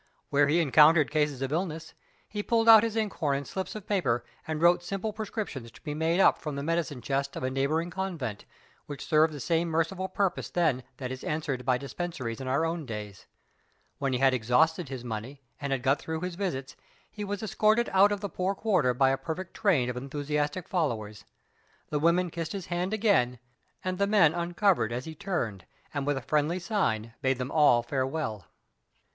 Where he encountered cases of illness, he pulled out his inkhorn and slips of paper, and wrote simple prescriptions to be made up from the medicine chest of a neighboring convent, which served the same merciful purpose then that is answered by dispensaries in our days. When he had exhausted his money, and had got through his visits, he was escorted out of the poor quarter by a perfect train of enthusiastic followers. The women kissed his hand again, and the men uncovered as he turned, and, with a friendly sign, bade them all farewell.